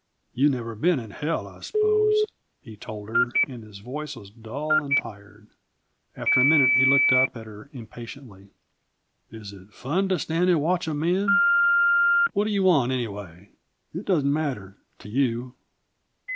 "You've never been in bell, I suppose," he told her, and his voice was dull and tired. After a minute he looked up at her impatiently. "Is it fun to stand and watch a man What do you want, anyway? It doesn't matter to you."